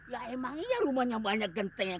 ya emangnya rumahnya banyak gentengnya